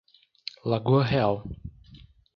Lagoa Real